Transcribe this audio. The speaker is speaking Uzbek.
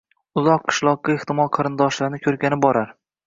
Uzoq qishloqqa ehtimol qarindoshlarini koʻrgani borar.